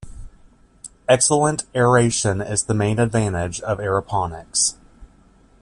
Excellent aeration is the main advantage of aeroponics.